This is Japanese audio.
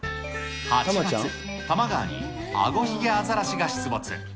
８月、多摩川にアゴヒゲアザラシが出没。